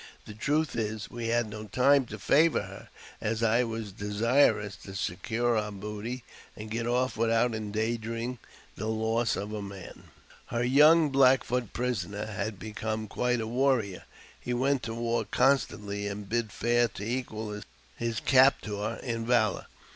The truth ' is, we had no time to favour her, as I was desirous to secure our booty and get off without endangering the loss of a man. Her young Black Foot prisoner had become quite a warrior ; he went to war constantly, and bid fair to equal his captor in valour.